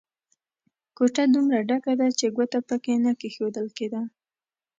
کوټه دومره ډکه ده چې ګوته په کې نه کېښول کېده.